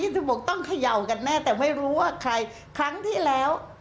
ซึ่งแล้วก็โครงพระอุดพระอมละ